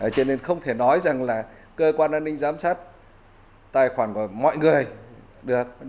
cho nên không thể nói rằng là cơ quan an ninh giám sát tài khoản của mọi người được